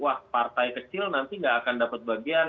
wah partai kecil nanti nggak akan dapat bagian